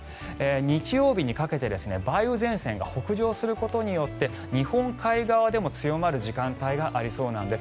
日曜日にかけて梅雨前線が北上することによって日本海側でも強まる時間帯がありそうなんです。